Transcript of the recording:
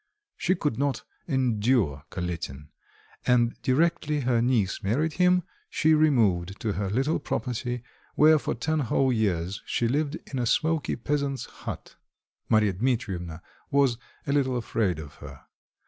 She could not endure Kalitin, and directly her niece married him, she removed to her little property, where for ten whole years she lived in a smoky peasants' hut. Marya Dmitrievna was a little afraid of her.